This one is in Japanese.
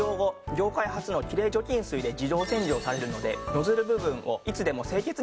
業界初のきれい除菌水で自動洗浄されるのでノズル部分をいつでも清潔に保ちます。